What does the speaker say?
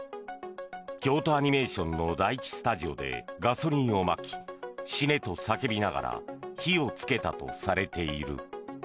京都アニメーションの第１スタジオでガソリンをまき死ねと叫びながら火をつけたとされている。